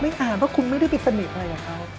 อ่านเพราะคุณไม่ได้ไปสนิทอะไรกับเขา